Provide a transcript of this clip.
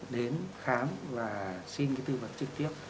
đến khám và xin cái tư vấn trực tiếp